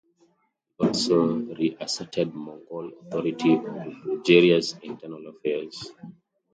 He also reasserted Mongol authority over Bulgaria's internal affairs.